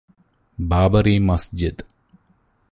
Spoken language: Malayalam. ബാബറി മസ്ജിദ്